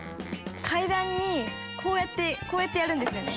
芦田：階段にこうやって、こうやってやるんですよね。